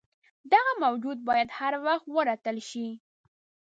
دغه موجود باید هروخت ورټل شي.